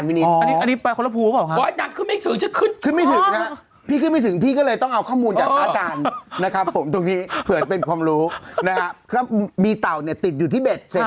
เรื่องจริงเลยพี่ไปคุยกับเขามาหรอ